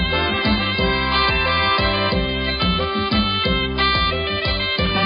โฮฮะไอ้ยะฮู้ไอ้ยะ